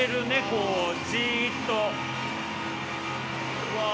こうじーっと。